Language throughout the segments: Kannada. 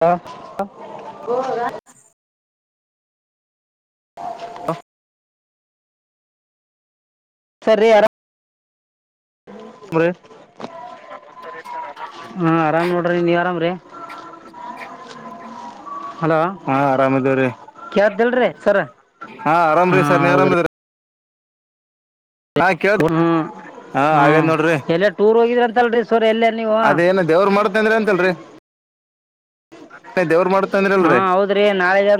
ಹಾ ಹ ಹಹ ಸರ್ ರೀ ಆರಾಮ್ ಮಳ ಹಾ ಆರಾಮ್ ನೋಡ್ರಿ ನೀವ್ ಆರಾಮ್ರೀ ಹಲೋ ಹಾ ಆರಾಮಿದೇವ್ರಿ ಕ್ದಲ್ರಿ ಸರ್ ಹಾ ಆರಾಮ ರೀ ಸರ್ ನೀ ಆರಾಮರಿ ಹಾ ಕೇಳಿ ಹ್ಮ್ ಹಾ ಹ್ಮ್ ಹಾಗೇದ್ ನೋಡ್ರಿ ಎಲ್ಲೇ ಟೂರ್ ಹೋಗಿದ್ರಂತಲ್ರಿ ಸರ್ ಎಲ್ಲೇ ನೀವು ಅದೇಏನು ಹಾ ದೇವ್ರ ಮಾಡತ ಅಂದ್ರಿ ಅಂತಲ್ರಿ ನ ದೇವರು ಮಾಡ್ತ ಹಾ ಹೌದ್ರಿ ನಾಳೆರ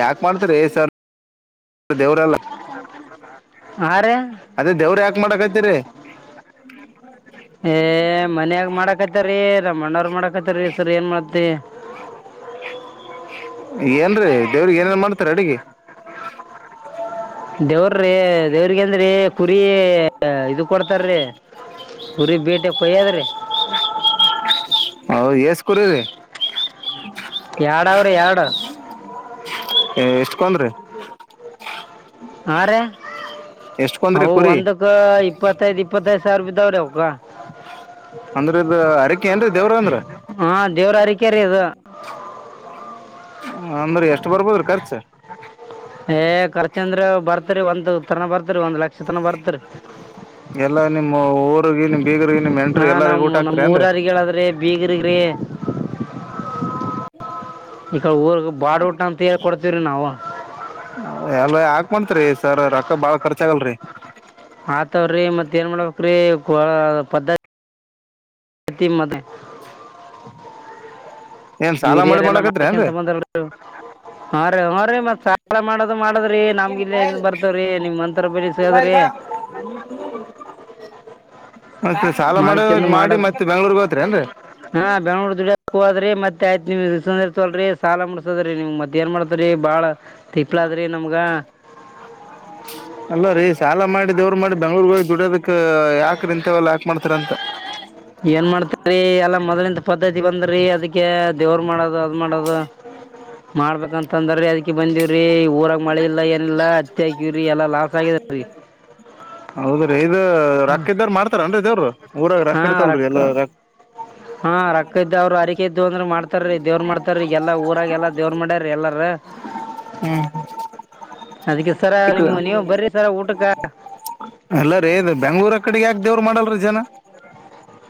ಯಾಕ ಮಾಡ್ತರಿಸ ದೇವ್ರಲ್ಲ ಹಾ ರೀ ಅದೇ ದೇವ್ರ ಯಾಕ ಮಾಡಕತಿರಿ ಏ ಮನ್ಯಾಗ ಮಾಡಕತಾರಿ ರಮಣ್ಣ ಅವ್ರ ಮಾಡಕತಾರಿ ಸರಿ ಏನ್ ಮಾಡ್ತಿರಿ ಹ ಏನ್ರೀ ದೇವ್ರಿಗೆ ಏನೇನ್ ಮಾಡ್ತಾರ ಅಡಗೆ ದೇವ್ರ್ರೀ ದೇವ್ರಿಗೆ ಅಂದ್ರೀ ಕುರಿ ಇ ಕೊಡ್ತಾರ್ರೀ ಕುರಿ ಬೇಟೆ ಕೊಯ್ಯಾದ್ರೀ ಹೌ ಸ್ಕೂ ಕುರೀ ಎರಡವ್ರಿ ಎರಡು ಎಷ್ಟ ಕನ್ ರೀ ಹಾ ರ ಅ ಕುರಿ ಒಂದಕ್ಕ ಇಪ್ಪತ್ತೈದು್ ಇಪ್ಪತ್ತೈದು್ ಸಾವಿರೂಪ ಇದಾವ್ರಿ ಅವಕ್ಕ ಅಂದ್ರೆ ಇದದು ಅರಕೆ ಏನ್ರಿೀ ದೇವ್ರ ಅಂದ್ರ ಹಾ ದೇವ್ರ ಹರಿಕೆ ರೀ ಇದು ಅಂದ್ರೆ ಎಷ್ಟು ಬರ್ಬೋದ್ರ ಖರ್ಚ ಏ ಖರ್ಚ ಅಂದ್ರ ಬರ್ತರಿ ಒಂದ ತನ ಬರ್ತರಿ ಒಂದ್ ಲಕ್ಷ ತನ ಬರ್ತ್ರಿ ಎಲ್ಲಾ ನಿಮ್ಮ ಊ್ರಗ ನಿಮ್ ಬೀಗರ್ಿಗೆ ನಿಮ್ ಹಾ ಎಂಟ್ರ ಎಲ್ಲರಿಗ ನಮ್ ಊಟ ನಮ್ ಹಾಕ್ತರಿ ಅಂದ ಊರರಿಗೆ ಹೇಳದ್ರಿ ಬೀಗರಿಗ್ರಿ [unintelligible] ಈಕ ಊರ್ ಬಾಡ ಊಟ ಅಂತ ಹೇಳೇಳ್ ಕೊಡ್ತವ್ರಿ ನಾವು ಮಂತ್ರಿ ಸರ್ ರೊಕ್ಕ ಬಾಳ ಖರ್ಚ ಆಗಲ್ರರಿ ಆತವ್ರಿ ಮತ್ತತ್ ಏನ್ ಮಾಡ್ಬೇಕ್ರಿ ಪದ್ಧತಿ ಸ್ತಿ ಮ ಏನ್ ಸಾಲ ಮಾಡಿ ಹಿರಿಯರೆಲ್ಲ ಮಾಡಕತ್ರಿ ಏನ್ ಮಾಡ್ಕೊಂತ ಬಂದ್ರಿ ಹಾ ರೀ ಹಾ ರೀ ಮಬ ಮತ್ ಸಾಲ ಮಾಡೋದು ಮಾಡದ್ರಿ ನಮ್ಗಿಲ್ಲ ಮಬಲ್ ಇಲ್ಲಿ ಬರ್ತಾವ್ರಿ ನಿಮ್ ಮಂತ್ರ ಬಳಿ ಸೇದ್ರಿ ಹ ಹ ಮಾಡಿಕಂದು ಮಾಡಿ ಮಾಡದು ಮತ್ತೆ ಬೆಂಗ್ಳೂರ್ಗ್ ಹೋತ್ರೇನ್ರಿ ಹಾ ಬೆಂೂರು ದುಡಿಯಕ ಹದ್ರೆ ಮತ್ತೆ ಆಯ್ತ್ರಿ ಇಸ್ಕೊಂಡದೀರ್ತೆವಲ್ಲ್ರಿ ಸಾಲ ಮುಟ್ಟಸೋಡ್ರಿ ನಿಮ್ ಮತ್ ಏನ್ ಮಾಡ್ತ್ರರಿ ಬಾಳ ತಿಪ್ಪಲದ್ರಿ ನಮ್ಗ [unintelligible] ಅಲ್ಲ ರೀ ಸಾಲ ಮಾಡಿದವ್ರು ಮಾಡಿ ಬೆಂಗಳೂರಿಗ ಹೋಗಿ ದುಡಿಯೋದಕ್- ಯಾಕ್ರೀ ಇಂತವಲ್ಲ ಯಾಕ ಮಾಡ್ತಿರಂತ. ಏನ್ ಮಾಡ್ತರಿ ಎಲ್ಲಾ ಮೊದ್ಲಂತ ಪದ್ಧತಿ ಬಂದ್ರಿ ಅದಕ್ಕೆ ದೇವ್ರ ಮಾಡೋದು ಅದ್ ಮಾಡದು - ಮಾಡ್ಬೇಕಂತಂದ್ರೀ ಅದಕ ಬಂದಿವ್ರಿ ಊರಾಗ ಮಳೆ ಇಲ್ಲ ಏನಿಲ್ಲ ಹತ್ತಿ ಹಾಕಿವ್ರಿ ಎಲ್ಲಾ ಲಾಸ್ ಆಗಿದ. [unintelligible] ಹೌದ್ರೀ ಇದ ರೊಕ್ಕ ಇದ್ದಾರ ಮಾಡ್ತಾರೇನ್ರಿ ದೇವ್ರರು ಊರಾಗ ರೊಕ್ಕ ಇರ್ತವ ಅಲ್ರೀ ಎಲ್ಲ ಹಾ ರೊಕ್ಕ ಇದ್ದವ್ರರು ಹರಿಕೆ ಇದ್ದು ಅಂದ್ರ ಮಾಡ್ತಾರೀ ದೇವ್ರ ಮಾಡತಾರೀ ಎಲ್ಲ ಊರಾಗ ಎಲ್ಲ ದೇವ್ರ ಮಾಡ್ಯಾರ ಎಲ್ಲಾರ [unintelligible] ಹ್ಮ್ ಅದಕ್ಕೆ ಸರ ನಿಮ್ಮ ನೀವು ಬರ್ರಿ ಸರ ಊಟಕ್ಕ. ಇಲ್ಲರಿ ಬೆಂಗ್ಳೂರ್ ಕಡೆ ಯಾಕ ದೇವ್ರು ಮಾಡಲ್ರಿ ಜನ.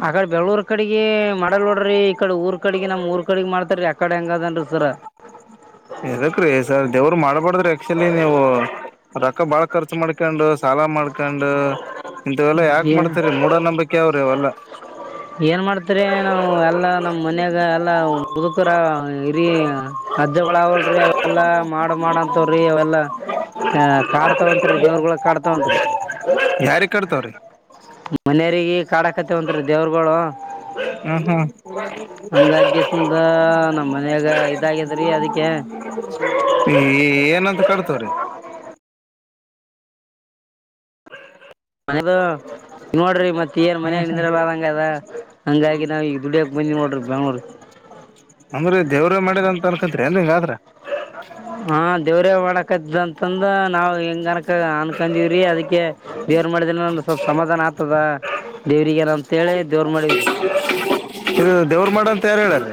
ಆಕಡೆ ಬೆಂಗಳೂರು ಕಡೆಗೆ ಮಾಡಲ್ ನೋಡ್ರಿ ಈಕಡೆ ಊರ್ ಕಡೆಗೆ ನಮ್ ಊರ್ ಕಡೆ ಮಾಡ್ತಾರೀ ಆಕಡೆ ಹೆಂಗದನ್ ಸರ ಎದಕ್ರೀ ಸರ್ ದೇವರು ಮಾಡ್ಬಾರಡ್ದ್ರಿ ಆಕ್ಚುಲಿ ನೀವು - ರೊಕ್ಕ ಬಾಳ ಖರ್ಚು ಮಾಡ್ಕೊಂಡು ಸಾಲ ಮಾಡ್ಕೊಂಡು ಇಂತವೆಲ್ಲಾ ಯಾಕ ಏನು ಮಾಡ್ತರಿ ಮೂಢ ನಂಬಿಕೆವ್ರೀ ಅವಲ್ಲಾ. ಏನ್ ಮಾಡ್ತರಿ ನಾವು ಎಲ್ಲಾ ನಮ್ಮ್ ಮನ್ಯಾಗ ಎಲ್ಲಾ ಮುದುಕರ ಹಿರಿ ಅಜ್ಜಾಗೊಳ ಅದಾವಲ್ರಿ ಅವೆಲ್ಲಾ ಮಾಡ ಮಾಡ ಅಂತಾವ್ರೀ ಅವೆಲ್ಲಾ. ಅ ಕಾಡ್ತಾವಂತರಿ ದೇವ್ರಗೊಳ ಕಾಡ್ತಾವಂತ್ರಿ. [inaudible] ಮನೆಯರಿಗೆ ಕಾಡಕತ್ತಾವಂತೇರಿ ದೇವರುಗಳು. ನಮ್ಮ ಮನ್ಯಾಗ ಇದಾಗ್ಯದ್ರಿ ಅದಕ್ಕೆ [inaudible] ಏನಂತ ಕಾಡ್ತಾವ್ರೀ. ಮನದು ನೋಡ್ರಿ ಮತ್ತ ಏನ್ ಹ್ಮ್ ಮನ್ಯಾಗ ಹ್ಮ್ ನಿಂದರಲಾರದಂಗ ಆಗೇದ ಹಂಗಾಗಿ ನಾವ್ ಈಗ ದುಡಿಯಕ ಬಂದಿವಿ ನೋಡ್ರಿ ಬೆಂಗಳೂರಿಗ. ಅಂದ್ರೆ ದೇವ್ರೇ ಮಾಡ್ಯರಂತ ಅನ್ಕಂತತ್ರಿ ಅಂದ್ರ ಹಿಂಗ ಆದ್ರ. ಹಾ ದೇವರೆ ಮಾಡ್ಯಾನ್ ಆಕ್ಕೇದ ಅಂತಂದ ನಾವು ಹಿಂಗ ಅನ್ಕೊಂಡ ಅನ್ಕೊಂಡಿವವ್ರಿ ಅದಕ್ಕೆ ದೇವ್ರ ಮಾಡಿದ್ರ ಸ್ವಲ್ಪ ಸಮಾದಾನ ಆತದ. ದೇವ್ರಿಗೇನ ಅಂತೇಳಿ ದೇವ್ರ ಮಾಡಿವ್ರಿ ಇದು ದೇವ್ರ ಮಾಡಂತ ಯಾರು ಹೇಳ್ಯಾರಿ?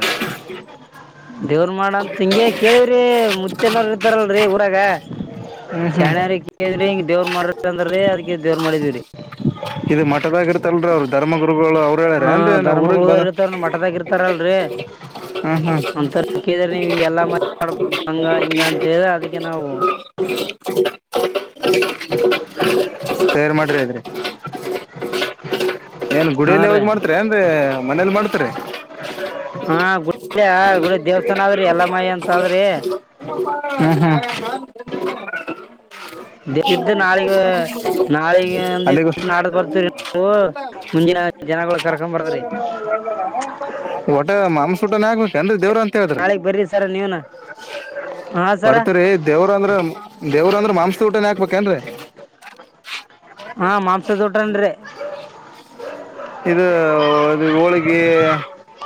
ದೇವ್ರ ಮಾಡ ಅಂತ ಹಿಂಗೆ ಕೇಳೆವ್ರಿ ಮುುತ್ತೆರ ಇರ್ತಾರಲ್ರರಿ ಊರಾಗ. ಹ್ಮ್ ಹ್ಮ್ ಶಾನ್ಯರಗ ಕೇಳ್ರಿ ಹಿಂಗ ದೇವ್ರ ಮಾಡ್ರಿ ಅಂದ್ರೀ ಅದಕ್ಕೆ ದೇವ್ರ ಮಾಡಿದವ್ರಿ. ಇದ ಮಠದಾಗರ್ತಲ್ರೀ ಅವರು ಧರ್ಮಗುರುಗಳು ಅವ್ರರು ಹಾ ಹೇಳ್ಯಾರ ಏನ್ರೀ ಏ ಊರಗ್ ಬಂದ ಹ್ಮ್ ಹ್ಮ್ ಹಂತವ್ರಿಗೆ ಕೇಳಿದ್ರ ನೀವ್ ಹಿಂಗೆಲ್ಲಾ ಮ ಮಾಡಬ ಹಂಗ ಹಿಂಗ ಅಂತ ಹೇಳ ಅದಿಕ್ಕೆ ಅದಿಕ್ಕೆ ನಾವು [inaudible] ತಯಾರ ಮಾಡ್ರಿ ಏನ್ ಹಾ ಗುಡಿಯಲ್ಲಿ ರೀ ಹೋಗಿ ಮಾಡ್ತರಿ ಏನ್ರಿ ಮನೇಲಿ ಮಾಡ್ತರಿ. [inaudible] ಆದ್ರಿ ಎಲ್ಲಮಾಯಿ ಅಂತ ಆದ್ರಿ [inaudible] ಹ್ಮ್ ಹ್ಮ್ ಇದ್ದು ನಾಳಿಗ ನಾಳಿಗ ಅಲ್ಲಿಗೂ [inaudible] ನಾಡದ ಬರ್ತರಿ ಅಂದಿವು ಮುಂದಿನ ಜನಗಳು ಕರ್ಕೊಂಡ್ ಬರ್ತಾರಿ. ಒಟ್ಟೆ ಮಾಂಸ ಊಟನೆ ಆಗ್ಬೇಕುಏನ್ರಿ ಇದ? ನಾಳೆಗ ಬರ್ರಿ ಸರ ನೀವು ನೀವನ ಹಾ ಬರ್ತೇವ್ರಿ ದೇವ್ರ ಅಂದ್ರ ದೇವ್ರ ಅಂದ್ರ ಮಾಂಸದ ಊಟನ ಹಾಕ್ಬೇಕ? ಕ ಏನ್ರೀ? ಹಾ ಮಾಂಸ ತೊಟ್ರನ್ರಿ ಇದ ಹೋಳಿಗೆ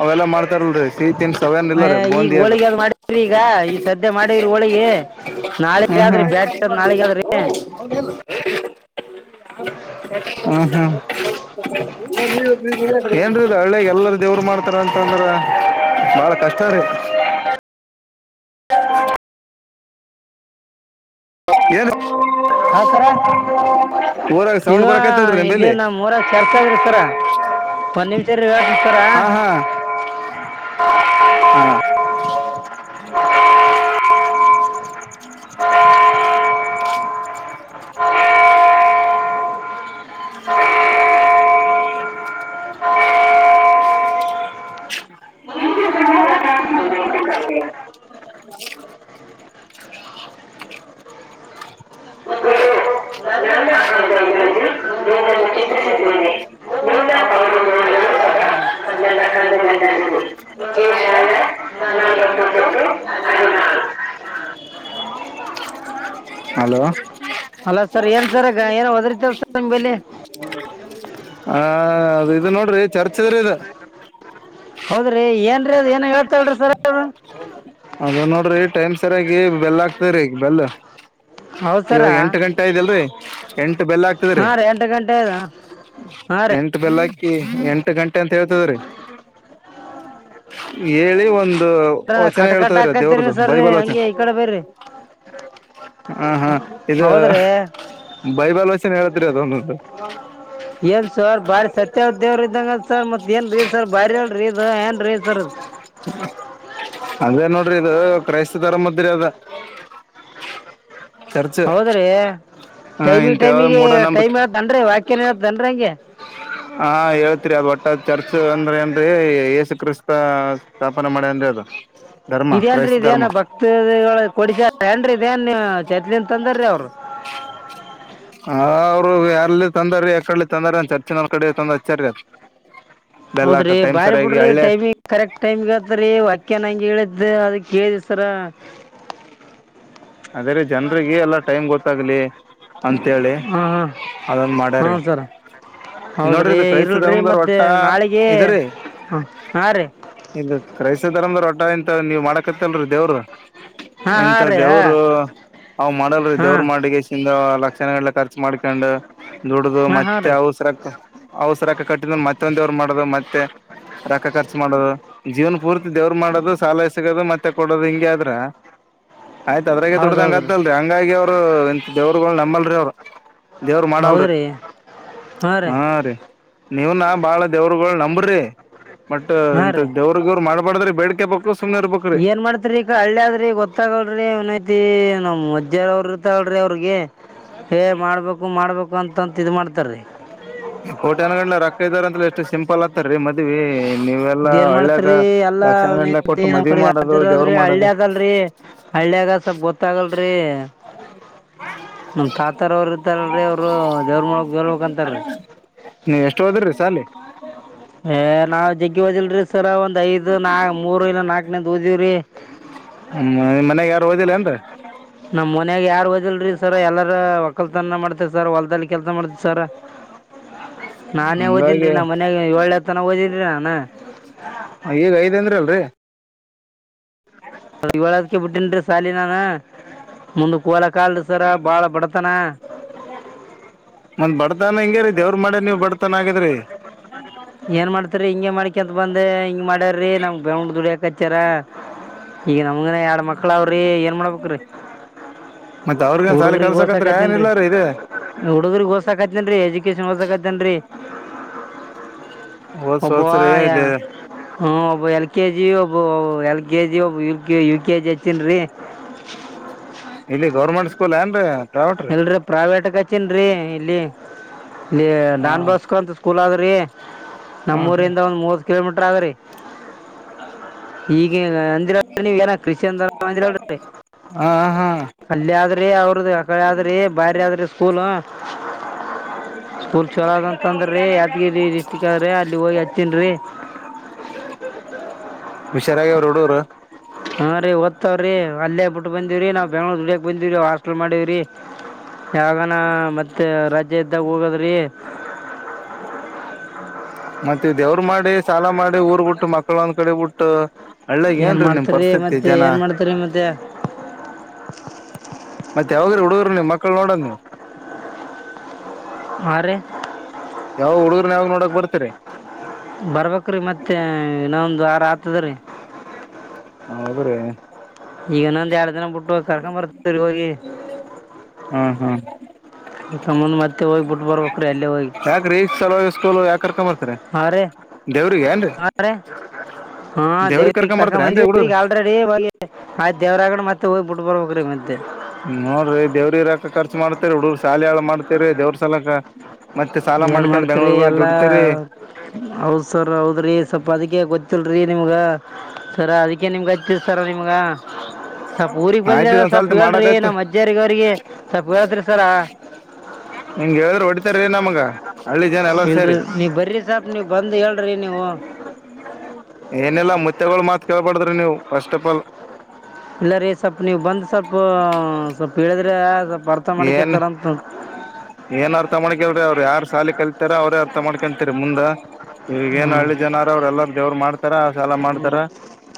ಅವೆಲ್ಲ ಮಾಡ್ತ ಲ್ರಿ ಸೀತನ್ ಸವನ್ ಇಲ್ಲ ರೀ ಈಗ ಬಂದ್ದ ಹೋಳಿಗೆ ಅದು ಮಾಡಿದ್ರಿ ಈಗ ಈ ಸದ್ಯ ಮಾಡಿವ್ರಿ ಹೋಳಿಗೆ ನಾಳೆಗೆ ಹ್ಮ್ ಆದ್ರಿ ಹ್ಮ್ [unintelligible] ಬ್ಯಾಟ್ ನಾಳೆಗೆ ಆದ್ರಿ ಹ ಹಾ [unintelligible] ಏನ್ರೀ ಹಳ್ಳೇ ಎಲ್ಲಾರ ದೇವ್ರ ಮಾಡ್ತಾರ ಅಂತಂದ್ರ ಬಾಳ ಕಷ್ಟ ರೀ [inaudible] ಏನು ಹೌ ಹಾ ಸರ ಊರಾಗ ಇದು ಸೌಂಡ್ ಬರಕತ್ತಲ್ರಿ ಇಲ್ಲಿ ನಿಂಬಲ್ಲಿ ನಮ್ಮ ಮೂರ ಚರ್ಚ್ದ್ರಿ ಸರ ಒಂದ್ ನಿಮಿಷಾ ಇರಿ ಸರ್ ಹೇಳ್ತೀನಿ ಹ್ಮ ಹ್ಮ್ಮ [unintelligible] ಹ್ಮ [unintelligible] ಹ ಹ್ಮ [unintelligible] ಇದು ಇದು ನನ್ನ ನನ್ನ ಅಂಗೈಗಳಲ್ಲಿ ಅಂಗೈಗಳಲ್ಲಿ ನಿನ್ನನ್ನು ನಿನ್ನನ್ನು ಚಿಕಿತ್ಸಿದ್ದೇನೆ ಚಿತ್ರಿಸಿದ್ದೇನೆ ನಿನ್ನ ನಿನ್ನ ಪಾವು ಪಾವನ ನೋಡಿಗಳು ನೋಡುವುದು ಸದಾ ಸದಾ ನನ್ನ ನನ್ನ ಕಣ್ಣುಗಳಿಂದಲಿ ಕಣ್ಣುಗಳಿನಲ್ಲಿದೆ ಏಷಾಯ ಏಷಾಯ ನಲವತ್ತೊಂಬತ್ತು ನಲವತ್ತೊಂಬತ್ತು ಹದಿನಾರು ಹದಿನಾರು ಹಲೋ ಅಲ್ಲ ಸರ್ ಏನ್ ಸರ್ಗ ಏನ ಓದ್ರರ್ತವ ಸರ್ ನಿಮಲ್ಲಿ ಹ ಅ ಇದು ನೋಡ್ರಿ ಚರ್ಚ್ ಇ ಹೌದ್ರಿ ಏನ್ರೀ ಅದು ಏನಾಗ ಹತಲ್ರರಿ ಸರ್ ಅದ ನೋಡ್ರಿ ಟೈಮ್ ಸರಿಯಾಗಿ ಬೆಲ್ಲ ಆಗ್ತರಿ ಈಗ ಬೆಲ್ ಹೌದು ಸರ ಇವಾಗ ಎಂಟು ಗಂಟೆ ಆಐ್ದಲ್ರಿ ಎಂಟು ಬೆಲ್ಲ ಆಗ್ತದ್ರಿ ಹಾಂ ರೀ ಎಂಟು ಗಂಟೆ ಅದು ಹಾಂ ರೀ ಎಂಟ ಬೆಲ್ಲಕ್ಕಿ ಎಂಟು ಗಂಟೆ ಅಂತ ಹೇಳ್ತದ್ರಿ ಹೇಳಿ ಒಂದು ಸರ್ ವ ಚೆನಾಗ ಕಟ್ ಕಟ್ ಹೇಳ್ತದ್ರ ಹಾಕತ್ತೀರಿ ದೇವ್ರದ್ದು ಸರ್ ನೀವು ಬೈಬಲ್ ವಚ ಹಂಗೆ ಈ ಕಡೆ ಬರ್ರಿ ಹ ಹಾ ಇದು ಹೌದ್ರಿ ಬೈಬಲ್ ನ್ ಹೇಳಿದ್ರಿ ಅದ ಒಂದೊಂದು ಏನ್ ಸರ್ ಬಾರಿ ಸತ್ಯ ಉದ್ದ್ಯವರ ಇದಂಗ ಸರ್ ಮತ್ ಏನ್ ರೀ ಸರ್ ಬಾರಿಲ್ ಇದ ಏನ್ ರೀ ಸ ಅದೇ ನೋಡ್ರಿ ಇದು ಕ್ರೈಸ್ತ ಧರ್ಮದ್ರೆ ಅದ ಚರ್ಚ ಟೈಮಿ ಟೈಮಿಗೆ ಟೈಮ್ ಹೇಳತನ್ೀ ವಾಕ್ಯನ್ ಹೇಳನ್ ಹಂಗೆ ಹಾ ಹೇಳ್ತ್ರಿ ಅದ ಒಟ್ಟ ಚರ್ಚ್ ಅಂದ್ರೆ ಅಂದ್ರಿ ಯಏಸು ಕ್ರಿಸ್ತ ಸ್ಥಾಪನೆ ಮಾಡಿ ಅಂದ್ರೆ ಅದು ಧರ್ಮ ಇದೇನ್ ಕ್ರೈಸ್ತ ಇದೇನ್ ಧರ್ಮ ಭಕ್ತಗಳ ಕೊಡಿಸ ಏನ್ ಇದೇನ್ ಚೇತ್ಲನ್ ತಂದಾರೀ ಅವ್ರು [inaudible] ಹಾ ಯಾರಲ್ಲಿ ತಂದಾರ ಯ ಕಡೆ ತಂದಾರ ಅ ಚರ್ಚಿನ ಒ ಕಡೆ ತಂದ ಆಚಾರಿ ಹೌದ್ರಿ ಬಾರಿ ಬಿಡ್ರಿ ಟೈಮಿಂಗ್ ಕರೆಕ್ಟ್ ಟೈಮ್ಗೆತ್ರರಿ ವಾಕ್ಯ ನಂಗೆ ಹೇಳಿದ್ದ ಅದ ಕೇಳಸರ [inaudible] ಅದ್ರ ಜನ್ರಿಗೆ ಎಲ್ಲ ಟೈಮ್ ಗೊತ್ತಾಗ್ಲಿ ಅಂತೇಳಿ ಹಾಂ ಹಾಂ ಅದನ್ ಹ್ಞೂ ಮಾಡ್ಯ್ರೀ ಸರ ಹೌದ್ರಿ ನೋಡ್ರಿ ಕ್ರೈಸ್ತ ಇರಲ್ರಿ ಧರ್ಮದ್ರ ಮತ್ತೆ ಒಟ್ಟ ನಾಳೆಗೆ ಇದರಿ ಹಾಂ ಹಾಂ ರೀ ಇದು ಕ್ರೈಸ್ತ ಧರ್ಮದ ರೊಟ್ಟ ಊ ಇಂತ ನೀ ಮಾಡಕತ್ತಲ್ರೀ ದೇವ್ರು ಹಾಂ ಇಂತ ಹಾಂ ರೀ ದೇವರು ಅವ್ ಮಾಡಲ್ರಿ ದೇವ್ರ ಹಾಂ ಮಾಡ ಲಕ್ಷಣಲ್ಲ ಖರ್ಚ ಮಾಡ್ಕೊಂಡ್ ದುಡ್ದ ಹಾಂ ಹಾಂ ಹಾಂ ಮತ್ತೆ ರೀ ಅವಸರಕ್ಕ ಅವಔಸರಕ್ಕೆ ಕಟ್ಟಿದ ಮತ್ತೆ ಒಂದ ಮಾಡದು ಮತ್ತೆ ರಕ್ಕ ಖರ್ಚು ಮಾಡೋದು ಜೀವನ್ ಪೂರ್ತಿ ದೇವ್ರ ಮಾಡೋದು ಸಾಲ ಸಿಗೋದು ಮತ್ತೆ ಮೆ ಕೊಡೋದು ಹಿಂಗ ಆದ್ರ ಆಯ್ತ ಅದ್ರಾಗೆ ದುಡ್ದ ಹೌದು ಹಂಗ ಹೌದು ರೀ ಆತ್ತತಲ್ರರಿ ಹಂಗಾಗಿ ಅವ್ರು ಎ ದವರುಗಳು ನಮ್ಮಲ್ರಿ ಅವರು ರ್ ಮಾಡಡಾಲ ರ ಹೌದು ರೀ ಹಾ ರೀ ನೀವ್ ನ ಬಾಳ ದೇವರುಗಳು ನಂಬ ್ರಿ ಬಟ್ ಹಾಂ ಇಂ ರೀ ದೇವ್ರಗವ್ರು ಮಾಡ್ಬಾರಡ್ದ್ರೆ ಬೇಡ್ಿಕೆ ಬು ಏನ್ ಮಾಡ್ತರಿ ಈಗ ಹಳ್ಳಿ ಆದ್ರಿ ಗೊತ್ತಾಗಲ್ರಿ ನಮ್ ಮಜ್ಜಾರ ಅವ್ರ ಇರ್ತಲ್ೀ ಅವ್ರಿಗೆ ಏ ಮಾಡ್ಬೇಕು ಮಾಡ್ಬೇಕು ಅಂತಂತ ಇದ್ ಮಾಡ್ತಾರೀ ೋಟೆನ ಕಲ್ಲ ರ ಹ ಇದಾರ ಅಂದ್ರ ಎಷ್ಟು ಸಿಂಪಲ್ ಆತಾರೀ ಮದ್ವಿ ನೀವೆಲ್ಲಾ ಇದ್ ಏನ್ ಹಳ್ಳ್ಯಾಗ ಮಾಡ್ತ್ರಿ ಎಲ್ಲಾ ಲಕ್ಷಾನ ಅವನ ಗಂಟ್ಲೆ ಕೊಟ್ಟು ನ್ ಮದ್ವಿ ಕಡೆ ಮಾಡೋದು ದೇವ್ರ ಆತಿರದ್ರಿ ಹಳ್ಳಿ ಮಾಡೋದು ಅದಲ್ರರಿ ಹಳ್ಳಿಯಾಗ ಸ್ವಲ್ ಗೊತ್ತಾಗಲ್ರಿ ನಮ ತಾತರ ಅವರು ಇರ್ತಾರಲ್ರರಿ ಅವರು ದೇವ್ರ ಮೊಳಗ್ ಲ್ಬೇಕಂತಾರರಿ ನೀ ಎಷ್ಟು ಹೋದ್ರೀ ಹ ನಾ ದಿಲ್ರರಿ ಸರ ಒಂದ್ ಐ್ ನಾ ಮೂರು ಇಲ್ಲ ನಾಕ್ನಂದ ಓದಿವವ್ರಿ ಹ್ಮ ಮನ್ಯಾಗ ಯಾರು ಹೋದಿಲ್ಲ ಅಏನ್ರಿ ನಮ್ ಮನ್ಯಾಗ ಯಾರು ಹಓದಿಲ್ರರಿ ಸರ್ ಎಲ್ಲಾರ ಒಕ್ಕಕಲ್ತನ ಮಾಡ್ತೇವ ಸರ್ ಹೊಲ್ದಲ್ಲಿ ಕೆಲ್ಸ ಮಾಡ್ತೇ್ ಸರ ನಾನೇ ಹಂಗಾಗಿ ಓದನ್ೀ ನಮ್ಮ ಮನೆಾಗ ಏಳ್ೆದ ತನ ಓದನ್ರಿ ನಾನು ಈಗ ಐದ ಅಂದ್ರ ಅಲ್ರಿ ಇವಳದ್ಕ ಬಿಟ್ಟೇನ್ರಿ ಸಾಲಿನಾನ ಮುಂದ ಕೋಲ ಕಲ್ಸರ ಬಾಳ ಬಡತನ ಒಂದ್ ಬಡತನ ಹಿಂಗ್ಯ ರೀ ದೇವ್ರ ಮಾಡಿ ನೀ್ ಬಡತನ್ ಆಗದ್ರರಿ ಏನ್ ಮಾಡ್ತರಿ ಹಿಂಗಗೆ ಮಾಡ್ಕಂತ ಬಂದೆ ಹಿಂಗ್ ಮಾಡ್ಯ್ರೀ ನಮ್ ಬೆಂಡ ದುಡ್ಯಾಕ ಹಚ್ಚಾರ ಈಗ ನಮಗನ ಎರಡ್ ಮಕ್ಳ ಅವ್ರಿ ಏನ್ ಮಾಡಬೇಕ್ರಿ ಮತ್ ಅವ್ರಿಗೇನ್ ಸಾಲಿ ಹುಡುಗ್ರಗ್ ಕಲ್ಸಕತ್ರಿ ಹೋಸಾಕತಿನ್ರರಿ ಏನಿಲ್ಲ ರೀ ಇದೇ ಹುಡುಗ್ರಗ್ ಹೋಸಾಕತಿ ೇನ್ೀ ಎಜುಕೇಶನ್ ಹೊಓಸಕತೇನ್ರಿ ಓದ್ಸ್ ಒಬ ಓದ್ಸ್ರಿ ಹ ಎಲ್ ಕೆ ಜಿ ಒಬ ಎಲ್ ಕೆ ಜಿ ಒಬ್ ಯ ಕೆ ಯು ಕೆ ಜಿ ಹಚ್ಚನ್ ರೀ [unintelligible] ಇಲ್ಲಿ ಗೌರ್ಮೆಂಟ್ ಸ್ಕೂಲ್ ಏ ಎಲ್ರೀ ಪ್ರೈವೇಟ್ಕ ಹತನ್ ರೀ ಇಲ್ಲಿ ಇಲ್ಲಿ ಹ ನಾನ್ ಬಾಸ್ಕರ್ ಅಂತ ಸ್ಕೂಲ್ ಆದ್ರಿ ನಮ್ಮೂರಿಂದ ಒಂದ್ ಮೂವತ್ ಕಿಲೋಮೀಟರ್ ಆದ್ರರಿ ಈಗ ಅಂದಿರಾ ನೀವ ಏನ ಕೃಷಿ ಅಂದಂದಿರಾ ಹಾ ಹಾ ್ರಿ ಅವ್ರದ ಅಕಡೆ ಯದ್ರಿ ಬಾಯ್ರ ಯ್ರಿ ಸ್ಕೂಲ್ ಸ್ಕೂಲ್ ಚಲೋದ ಅಂತಂದ್ರೀ ಯಾದಗಿರಿ ಡಿಸ್ಟಿಕ್ ಅದ್ರಿ ಅಲ್ಲಿ ಹೋಗಿ ಹಚ್ಚೀನ್ ರೀ ಸದ ವಿಷಾರಾಗಿ ಅವರು ಹಡೂರು ಹಾ ಓದ್ತವ್ರ ರ ಅೇ ಬಿಟ್ಟ ಬೀಿವ್ರೀ ನಾವವು ಬೆಂಗಗಳೂರ್ ದುಡ್ಯಕ್ ಬಂದೀವ್ರೀ ಹಾಸ್ಟೆಲ್ ಮಾಡಿವ್ರೀ ಯಾಗಾನ ಮತ್ತೆ ರಜ್ಯ ಇದ್ದಾಗ ಹೋಗದ್ರಿ [inaudible] ಮತ್ತ ಇದವ್ರ ಮಾಡಿ ಸಾಲ ಮಾಡಿ ಊರ್ ಬಿುಟ್ಟು ಮಕ್ಕಳ ಒಂದ್ ಕಡೆ ಬಿುಟ್ಟು ಏನ್ ಮಾಡ್ತರಿರಿ ಮತ್ತೆ ಏನ್ ಮಾಡ್ತರಿ ಮತ್ತೆ ಮತ್ತೆ ಯಾವಾಗ್ರ ಹುಡುಗರು ನೀವು ಮಕ್ಕಳ ನೋಡಣ ನೀ ಆ ಯಾವ ಹುಡುಗ್ರ್ನ್ ಯಾವ ನೋಡಕ್ ಬರ್ತರಿ ಬರ್ಬೇಕ್ರೀ ಮತ್ತೆ ಇನ್ನೊಂದು ಆರ ಆತದ ರೀ ಹ ಹೌದ್ರೀ ಈಗನ್ನೊಂದು ಎಡು ದನ ಬಿಟ್ಟು ಕರ್ಕೊಂಡ ಬರ್ತರಿ ಹೋಗಿ ಹ್ಮ್ ಹ್ಮ್ ಮ್ಮಂದ ಮತ್ತೆ ಹೋಗ್ಬ ಬಿಟ್ಟು ಬರ್ ಯಾಕ್ರೀ ಸಲಕಲ್ ಯಾಕರ್ಕೊಂಬರ್ತಾರ ಹಾಂ ರೀ ದೇವ್ರಿಗೆ ಏನ್ೀ ಹಾ ದೇವ್ರಗ್ ಕರ್ಕೊಂಡ ಏನ್ರಿ ಹುಡುಗರು ಬಂದಿವ ಆಲ್ ರ ಮತ್ ದೇವ್ರರಾಗಡೆ ಮತ್ತೆ ಹೋಗ್ ಬಿಟ್ ಬರ್ಬೇಕ್ರೀ ಮತ್ತೆ ನೋಡ್ರಿ ದೇವ್ರಿ ಇರಾಕ ಖರ್ಚ ಮಾಡತೇರಿ ಹುಡುಗ್ರ ಶಾಲ ಹಾಳ ಮಾಡ್ತೇರಿ ದೇವ್ರ ಸಾಲಕ ಏನ್ ಮಾಡ್ತಿರಿ ಎಲ್ಲಾ ಹೌದ್ ಸರ್ ಹೌದ್ರಿ ಸ್ವಲ್ಪ ಅದಕ್ಕೆ ಗೊತ್ತ ಇಲ್ರರಿ ನಿಮ್ಗ ಸರ ಅದಕ್ಕೆ ನಿಮ್ಗ ಹಚ್ಚತ್ ಸರ ನಿಮ್ಗ ಸ್ವಲ್ಪ್ ಊಗ್ ಬಂದ ಆಯ್ತ ಅದ ಸ್ವಲ್ಪ ಇದೊಂದ್ಸಲ್ತಿ ಹೇಳ್ರಿ ಮಾಡಕಯ್ತಿ ನಮ್ಮ ಅಜ್ಜಾರಗ ಅವ್ರಿಗೆ ಸ್ವಲ್ಪ ಹೇಳೇಳ್ತ್ರಿ ಸಲ ನಿಂಗಗೆ ಹೇಳ್ರರು ಹೊಡಿತಾರೀ ನಮ್ಗೆ ಇಲ್ರಿ ನೀವ ಬರ್ರಿ ಸಾಪ್ ನೀವ್ ಬಂದು ಹೇಳ್ರಿ ನೀವು ಏನೆಲ್ಲಾ ಮುತ್ತೆಗಳು ಮಾತ್ ಕೇಳ್ಬಾರಡ್ದ್ರಿ ನೀವುಫಸ್ಟ್ ಆಫ್ ಆಲ್ [unintelligible] ಇಲ್ಲ ರೀ ಸ್ವಲ್ಪ ನೀವು ಬಂದ್ ಸ್ವಲ್ಪ ಸ್ವಲ್ಪ ಹೇಳಿದ್ರೆ ಸ್ವಲ್ಪ ಅರ್ಥ ಏನ್ ಮಾಡಕಂತಾರಂತ ಏನ್ ಅರ್ಥ ಮಾಡ್ಕಲ್ರಿ ಅವ್ರರು ಯಾರ್ ಸಾಲಿ ಕಲ್ತರ ಅವ್ರೇ ಅರ್ಥ ಮಾಡ್ಕತರಿ ಮುಂದ ಹ್ಞೂ ಈವಗೇಏನು ಹಳ್ಳಿ ಜನರ ಅವ್ರ ಎಲ್ಲಾರ ದವರು ಮಾಡ್ತಾರೆ ಸಾಲ ಮಾಡ್ತಾರ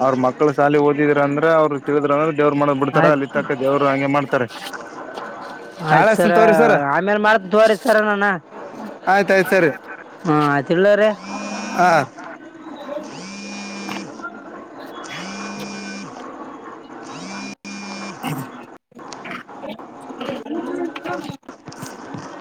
ಅವ್ರ ಮಕ್ಕಳ ಸಾಲಿ ಓದಿದ್ರ ಅಂದ್ರೆ ಅವ್ರು ತಿಗದ್ರಂದ್ರ ದೇವ್ರರು ಮಾಡ ಬಿಡ್ತಾರ ಆಯ್ತು ಅಲ್ಲಿ ತಕ್ಕ ದೇವರು ಹಂಗೆ ಮಾಡ್ತಾರೆ ನಾಳೆ ಅಷ್ಟ ತವ್ರಿ ಸರ ದ್ವರೆ ಸರ ಆಯ್ತಾಯ್ತು ಸರಿ ಹಾಂ ಆಯ್ತು ಇಡ್ಲಾ ರೀ ಹ ಹ್ಮ ಹ್ಮ [unintelligible] [inaudible]